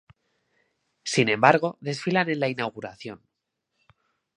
Sin embargo, desfilan en la inauguración.